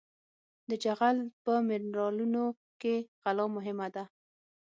د جغل په منرالونو کې خلا مهمه ده